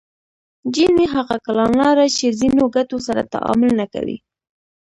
جیني هغه کړنلاره چې ځینو ګټو سره تعامل نه کوي